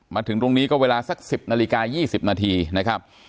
มาถึงตรงนี้ก็เวลาสัก๑๐นาฬิกา๒๐นาทีนะครับ